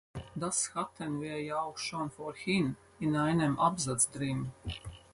Das hatten wir ja auch schon vorhin in einem Absatz drin.